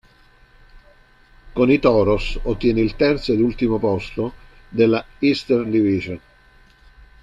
Con i "Toros" ottiene il terzo ed ultimo posto della Eastern Division.